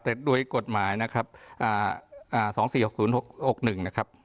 แต่ด้วยกฎหมายนะครับอ่าอ่าสองสี่หกศูนย์หกหกหนึ่งนะครับ